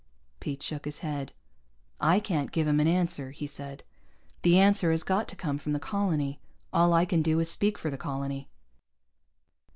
Pete shook his head. "I can't give him an answer," he said. "The answer has got to come from the colony. All I can do is speak for the colony."